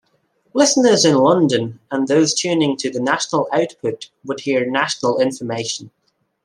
Listeners in London and those tuning to the national output would hear national information.